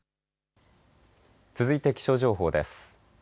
続いて気象情報です。